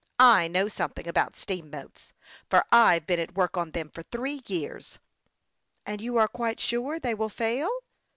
I know something about steam boats, for I've been at work on them for three years." " And you are quite sure they will fail